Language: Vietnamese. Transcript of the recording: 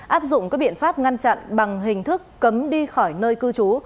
áp dụng các biện pháp ngăn chặn bằng hình thức cấm đi khỏi nơi cư trú